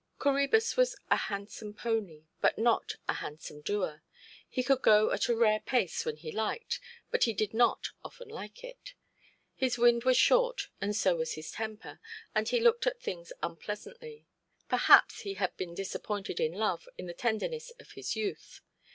Coræbus was a handsome pony, but not a handsome doer. He could go at a rare pace when he liked, but he did not often like it. His wind was short, and so was his temper, and he looked at things unpleasantly. Perhaps he had been disappointed in love in the tenderness of his youth.